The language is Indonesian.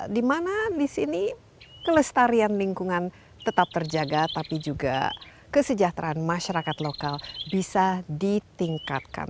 di mana di sini kelestarian lingkungan tetap terjaga tapi juga kesejahteraan masyarakat lokal bisa ditingkatkan